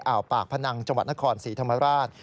ปากพนังจังหวัดนครศรีธรรมราช